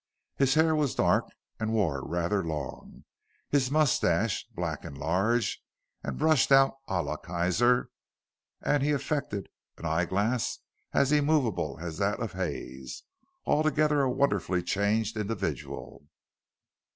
His hair was dark and worn rather long, his moustache black and large, and brushed out à la Kaiser, and he affected an eye glass as immovable as that of Hay's. Altogether a wonderfully changed individual.